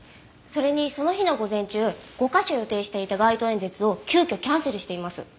それにその日の午前中５カ所予定していた街頭演説を急きょキャンセルしています。